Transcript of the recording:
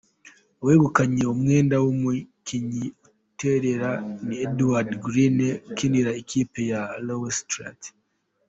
Uwegukanye umwenda w’umukinnyi uterera ni Edward Greene ukinira ikipe ya Lowestrates.